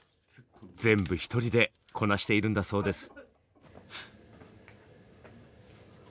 全部一人でこなしているんだそうです！